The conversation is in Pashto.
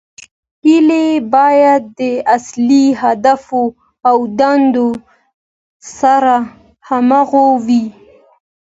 تشکیل باید د اصلي اهدافو او دندو سره همغږی وي.